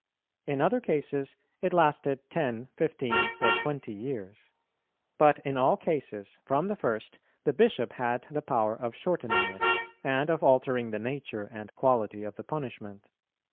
In other cases it lasted ten, fifteen, or twenty years. But in all cases, from the first, the Bishop had the power of shortening it, and of altering the nature and quality of the punishment.